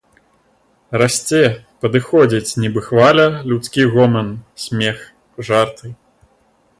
Расце, падыходзіць, нібы хваля, людскі гоман смех, жарты.